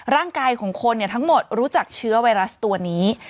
ร่างกายของคนทั้งหมดรู้จักเชื้อไวรัสตัวนี้